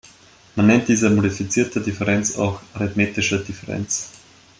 Man nennt diese modifizierte Differenz auch "arithmetische Differenz".